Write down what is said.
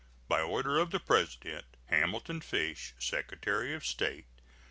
By order of the President: HAMILTON FISH, Secretary of State.